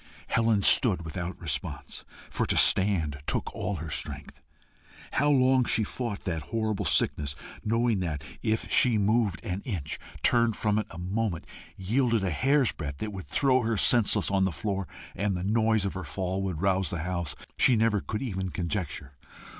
Helen stood without response, for to stand took all her strength. How long she fought that horrible sickness, knowing that, if she moved an inch, turned from it a moment, yielded a hair's breadth, it would throw her senseless on the floor, and the noise of her fall would rouse the house, she never could even conjecture.